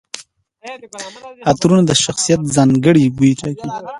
عطرونه د شخصیت ځانګړي بوی ټاکي.